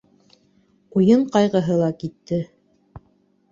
Уйын ҡайғыһы ла китте.